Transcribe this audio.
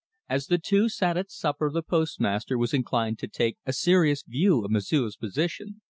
As the two sat at supper the postmaster was inclined to take a serious view of M'sieu's position.